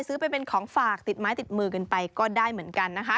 ซื้อไปเป็นของฝากติดไม้ติดมือกันไปก็ได้เหมือนกันนะคะ